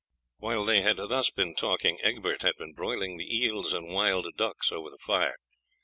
While they had been thus talking Egbert had been broiling the eels and wild ducks over the fire.